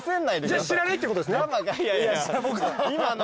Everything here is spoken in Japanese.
じゃあ知らないってことですね。